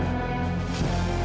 haris melihat ini saja